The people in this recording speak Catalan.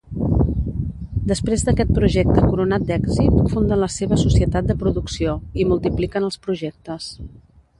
Després d'aquest projecte coronat d'èxit, funden la seva societat de producció, i multipliquen els projectes.